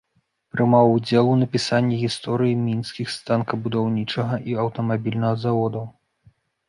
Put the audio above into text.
Прымаў удзел у напісанні гісторыі мінскіх станкабудаўнічага і аўтамабільнага заводаў.